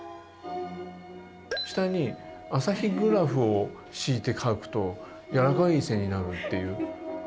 下に「アサヒグラフ」を敷いて描くと柔らかい線になるっていう。